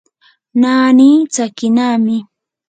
naani tsakinami.